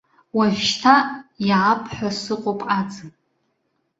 Уажәшьҭа иаап ҳәа сыҟоуп аӡын.